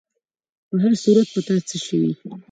په هر صورت، په تا څه شوي؟